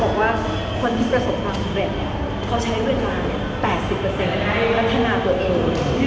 เขาบอกว่าคนที่ประสบความเกร็ดเนี่ย